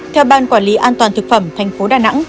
theo ban quản lý an toàn thực phẩm tp đà nẵng